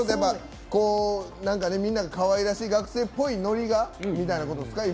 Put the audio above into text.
みんなかわいらしい学生っぽいノリがみたいなことなんですかね。